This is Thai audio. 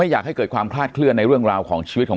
สวัสดีครับทุกผู้ชม